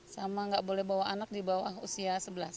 sama nggak boleh bawa anak di bawah usia sebelas